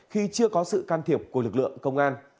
khi chưa có sự can thiệp của lực lượng công an